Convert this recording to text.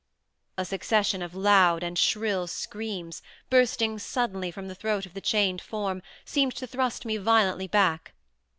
A succession of loud and shrill screams, bursting suddenly from the throat of the chained form, seemed to thrust me violently back.